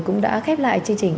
cũng đã khép lại chương trình